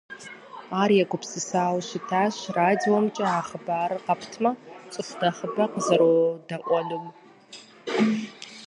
Ар егупсысауэ щытащ радиомкӏэ а хъыбарыр къэптмэ, цӏыху нэхъыбэ къызэродэӏуэнум.